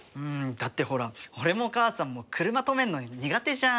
だってほら俺も母さんも車止めるの苦手じゃん。